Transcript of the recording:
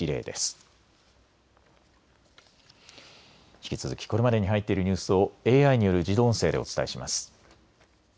引き続きこれまでに入っているニュースをＡＩによる自動音声でお伝えします。